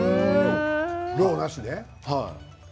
ローなしで？